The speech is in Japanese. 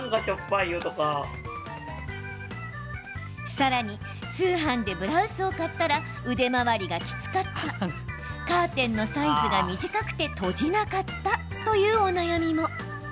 さらに通販でブラウスを買ったら腕周りがきつかったカーテンのサイズが短くて閉じなかったというお悩みも。